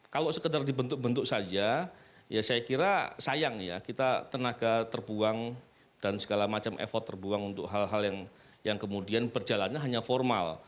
kalau sekedar dibentuk bentuk saja ya saya kira sayang ya kita tenaga terbuang dan segala macam effort terbuang untuk hal hal yang kemudian berjalannya hanya formal